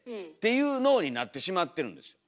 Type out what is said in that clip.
いう脳になってしまってるんですよ。